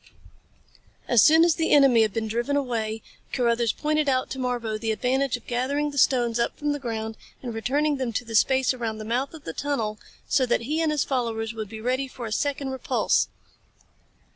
AS soon as the enemy had been driven away, Carruthers pointed out to Marbo the advantage of gathering the stones up from the ground and returning them to the space around the mouth of the tunnel so that he and his followers would be ready for a second repulse.